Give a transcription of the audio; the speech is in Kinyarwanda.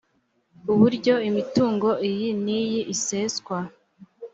uburyo imitungo iyi n iyi iseswa